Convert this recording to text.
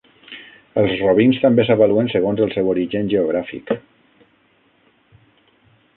Els robins també s"avaluen segons el seu origen geogràfic.